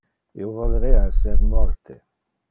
Io volerea esser morte.